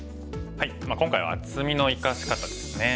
今回は厚みの生かし方ですね。